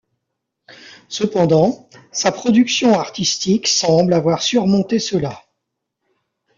Cependant, sa production artistique semble avoir surmonter cela.